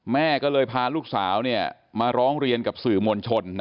แม่ก็เลยพาลูกสาวมาร้องเรียนกับสื่อมวลชน